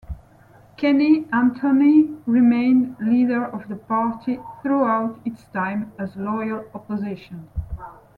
Kenny Anthony remained leader of the party throughout its time as loyal opposition.